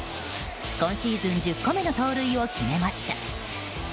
今シーズン１０個目の盗塁を決めました。